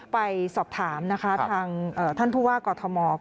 ไปสอบถามท่านภูวากอทรมา